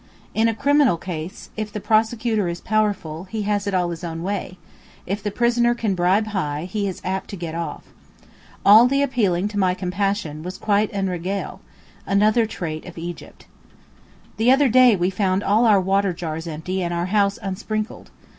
In criminal cases, if the prosecutor is powerful, he has it all his own way; if the prisoner can bribe high, he is apt to get off. All the appealing to my compassion was quite en règle. Another trait of Egypt. The other day we found all our water jars empty and our house unsprinkled.